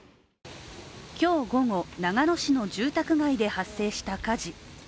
今日午後、長野市の住宅街で発生した火事。